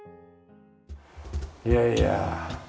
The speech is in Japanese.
いやいや。